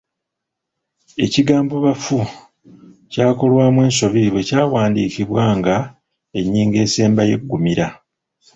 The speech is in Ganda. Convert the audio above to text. Ekigambo ‘baffu’ kyakolwamu ensobi bwe kyawandiikibwa nga ennyingo esembayo eggumira